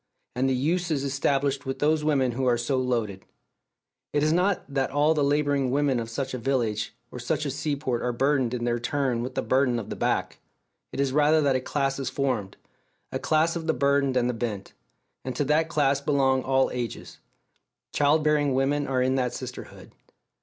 And the use is established with those women who are so loaded. It is not that all the labouring women of such a village or such a sea port are burdened in their turn with the burden of the back; it is rather that a class is formed, a class of the burdened and the bent; and to that class belong all ages; child bearing women are in that sisterhood.